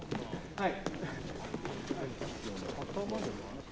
はい。